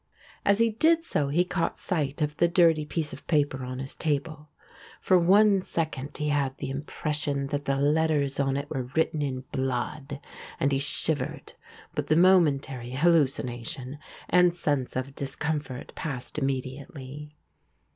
As he did so he caught sight of the dirty piece of paper on his table. For one second he had the impression that the letters on it were written in blood, and he shivered, but the momentary hallucination and sense of discomfort passed immediately.